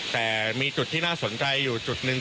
แต่มีจุดที่น่าสนใจอยู่จุดหนึ่ง